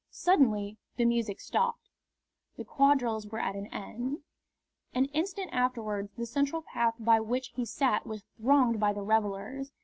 Suddenly the music stopped. The quadrilles were at an end. An instant afterwards the central path by which he sat was thronged by the revellers.